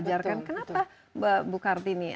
ajarkan kenapa bu kartini